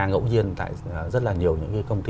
ngẫu nhiên tại rất là nhiều những công ty